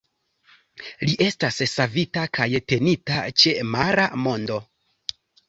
Li estas savita kaj tenita ĉe Mara Mondo.